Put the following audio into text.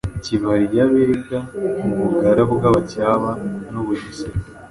Kibali y’Abega, u Bugara bw’Abacyaba n’u Bugesera